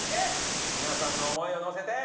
皆さんの思いをのせて。